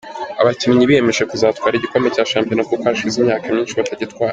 Abakinnyi biyemeje kuzatwara igikombe cya shampiona, kuko hashize imyaka myinshi batagitwara.